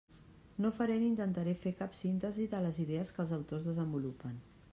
No faré ni intentaré fer cap «síntesi» de les idees que els autors desenvolupen.